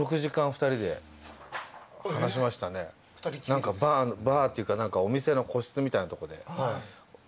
何かバーっていうかお店の個室みたいなとこで。